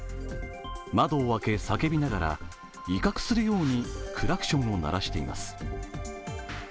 窓を開け、叫びながら威嚇するようにクラクションを鳴らしています。